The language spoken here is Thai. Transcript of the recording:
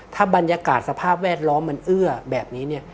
ถ้าบรรยากาศสภาพแวดล้อมมันเอื้อแบบนี้เนี่ย